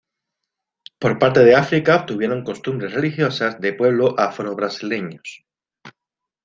Por parte de África obtuvieron costumbres religiosas de pueblos afro-brasileños.